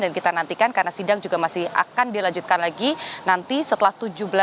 dan kita nantikan karena sidang juga masih akan dilanjutkan lagi nanti setelah tujuh belas oktober